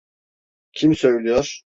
Kim söylüyor?